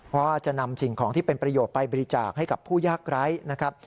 เพราะจะนำสิ่งของที่เป็นประโยชน์ไปบริจาคให้กับผู้ยากไร้นะครับ